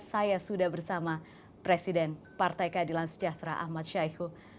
saya sudah bersama presiden partai keadilan sejahtera ahmad syahihu